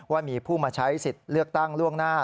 ว่ามีผู้มาใช้สิทธิ์เลือกตั้งล่วงหน้า